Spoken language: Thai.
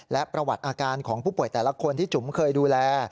และประวัติอาการของผู้ป่วยแต่ละคนที่จุ๋มเคยดูแล